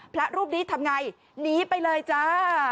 พระรูปนี้ทำไงหนีไปเลยจ้า